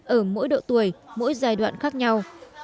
ở mỗi độ tuổi mỗi giai đoạn khác nhau